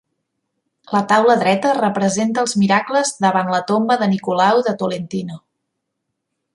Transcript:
La taula dreta representa els miracles davant la tomba de Nicolau de Tolentino.